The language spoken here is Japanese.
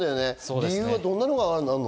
理由はどんなのがあるの？